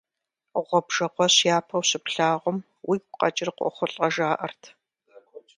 Гъуэбжэгъуэщ япэу щыплъагъум уигу къэкӀыр къохъулӀэ, жаӀэрт.